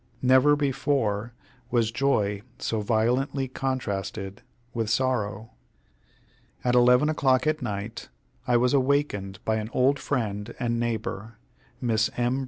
Never before was joy so violently contrasted with sorrow. At 11 o'clock at night I was awakened by an old friend and neighbor, Miss M.